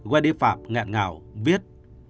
wendy phạm ngẹn ngào viết